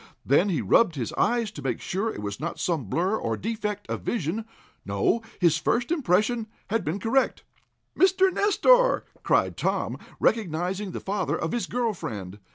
Then he rubbed his eyes to make sure it was not some blur or defect of vision. No, his first impression had been correct. "Mr. Nestor!" cried Tom, recognizing the father of his girl friend.